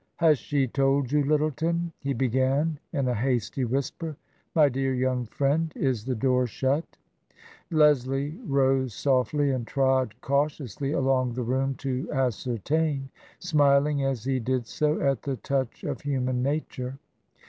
" Has she told you, Lyttleton ?" he began, in a hasty whisper. " My dear young friend, is the door shut ?" Leslie rose softly and trod cautiously along the room to ascertain, smiling as he did so at the touch of human nature.